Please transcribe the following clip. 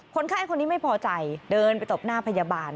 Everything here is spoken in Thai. คนไข้คนนี้ไม่พอใจเดินไปตบหน้าพยาบาล